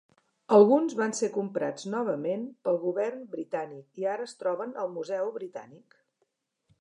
Alguns van ser comprats novament pel Govern britànic i ara es troben al Museu Britànic.